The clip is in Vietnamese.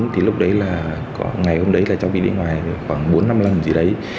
thì lúc đấy là có ngày hôm đấy là cháu đi ngoài khoảng bốn năm lần gì đấy